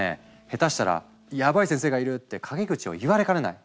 ヘタしたら「ヤバイ先生がいる」って陰口を言われかねない。